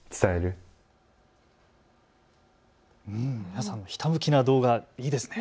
皆さんのひたむきな動画いいですね。